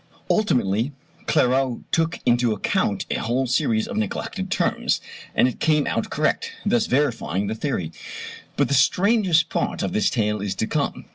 Ultimately, Clairaut took into account a whole series of neglected terms, and it came out correct; thus verifying the theory. But the strangest part of this tale is to come.